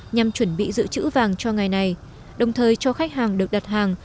nhằm chuẩn bị giữ chữ vàng cho ngày này đồng thời cho khách hàng được đặt hàng